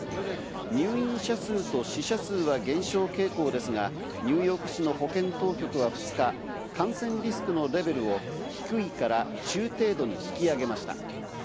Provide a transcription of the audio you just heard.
入院者数と死者数は減少傾向ですが、ニューヨーク市の保健当局は２日、感染リスクのレベルを低いから中程度に引き上げました。